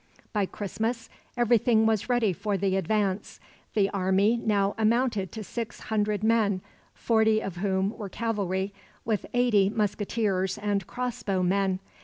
By Christmas everything was ready for the advance. The army now amounted to six hundred men, forty of whom were cavalry, with eighty musketeers and crossbow men.